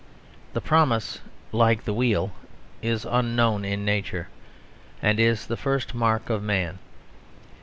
The promise, like the wheel, is unknown in Nature: and is the first mark of man.